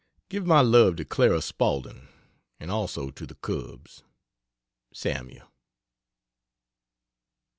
] Give my love to Clara Spaulding and also to the cubs. SAML.